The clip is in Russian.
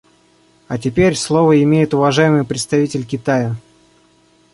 А теперь слово имеет уважаемый представитель Китая.